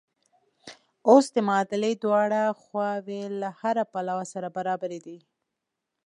اوس د معادلې دواړه خواوې له هره پلوه سره برابرې دي.